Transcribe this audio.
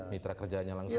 mitra kerjaannya langsung